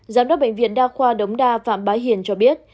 giám đốc bệnh viện đa khoa đống đa phạm bá hiền cho biết